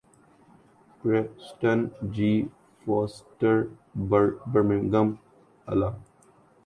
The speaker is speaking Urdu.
پریسٹن جی فوسٹر برمنگھم الا